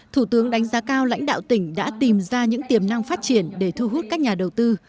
thủ tướng đánh giá cao lãnh đạo tỉnh đã tìm ra những tiềm năng phát triển để thu hút các nhà đầu tư